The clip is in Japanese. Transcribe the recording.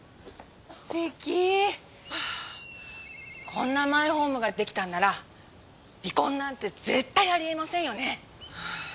こんなマイホームが出来たんなら離婚なんて絶対ありえませんよね。